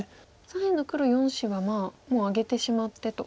左辺の黒４子はもうあげてしまってと。